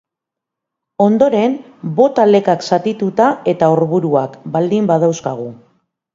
Ondoren, bota lekak zatituta eta orburuak, baldin badauzkagu.